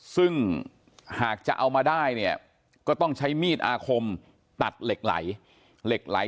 ซึ่งหากจะเอามาได้เนี่ยก็ต้องใช้มีดอาคมตัดเหล็กไหลเหล็กไหล